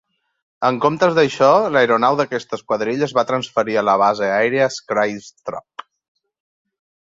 En comptes d'això, l'aeronau d'aquesta esquadrilla es va transferir a la base aèria Skrydstrup.